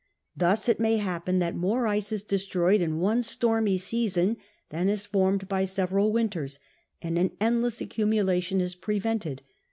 ... Thus it may happen that more ice is destroyed in one stormy sejison than is formetl by seveial wintei*8, and an endless accumulation is prevented.